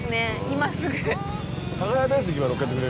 今すぐ。